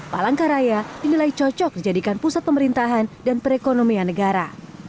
palangkaraya dinilai cocok dijadikan pusat pemerintahan dan perekonomian negara